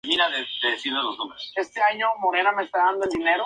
El siguiente paso fue nombrarlo como su enviado para obtener la adhesión del Paraguay.